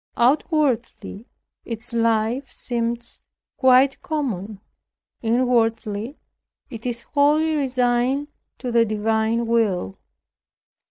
Outwardly, its life seems quite common; inwardly, it is wholly resigned to the divine will.